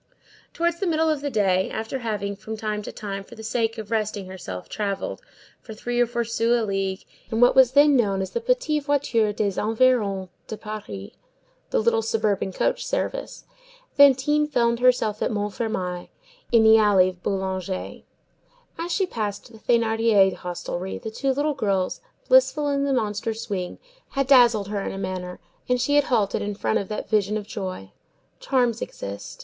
Towards the middle of the day, after having, from time to time, for the sake of resting herself, travelled, for three or four sous a league, in what was then known as the Petites Voitures des Environs de Paris, the "little suburban coach service," Fantine found herself at Montfermeil, in the alley Boulanger. As she passed the Thénardier hostelry, the two little girls, blissful in the monster swing, had dazzled her in a manner, and she had halted in front of that vision of joy. Charms exist.